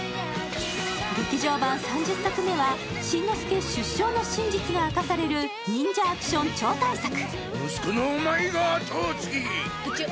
劇場版３０作目は、しんのすけ出生の真実が明かされる忍者アクション超大作。